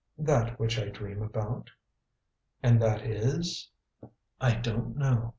"That which I dream about?" "And that is ?" "I don't know."